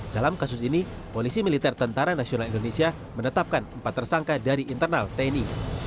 dalam kasus ini polisi militer tni menetapkan empat tersangka dari internal tni